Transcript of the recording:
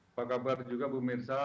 apa kabar juga bu mirsa